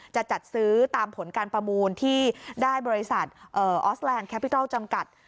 จะจัดซื้อตามผลการประมูลที่ได้บริษัทออสแลนดแคปพิทัลจำกัด